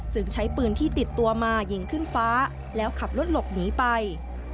ใช้ปืนที่ติดตัวมายิงขึ้นฟ้าแล้วขับรถหลบหนีไป